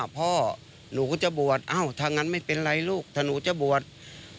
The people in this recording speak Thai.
เขาก็มาบอกพ่อว่าพ่อหนูก็จะบวชเอ้าถ้างั้นไม่เป็นไรลูกถ้าหนูจะบวช